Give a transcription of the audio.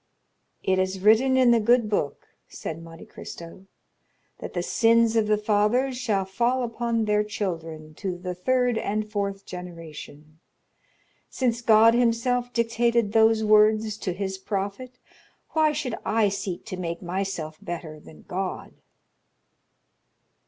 "It is written in the good book," said Monte Cristo, "that the sins of the fathers shall fall upon their children to the third and fourth generation. Since God himself dictated those words to his prophet, why should I seek to make myself better than God?"